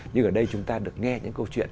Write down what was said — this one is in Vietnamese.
nhưng ở đây chúng ta được nghe những câu chuyện